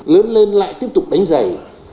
lớn lên lại tiếp tục đánh giày